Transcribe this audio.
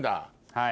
はい。